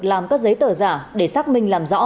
làm các giấy tờ giả để xác minh làm rõ